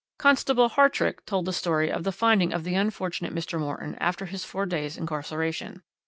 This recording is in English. "Constable Hartrick told the story of the finding of the unfortunate Mr. Morton after his four days' incarceration.